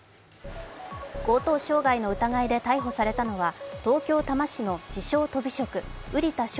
強盗傷害の疑いで逮捕されたのは東京・多摩市の自称・とび職、瓜田翔